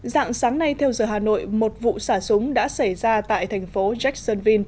giả sáng nay theo giờ hà nội một vụ xả súng đã xảy ra tại thành phố jacksonville